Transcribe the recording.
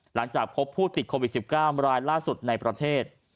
หลังจากพบผู้ติดโควิด๑๙รายล่าสุดในประเทศ